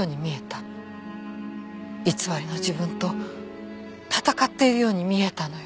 偽りの自分と戦っているように見えたのよ。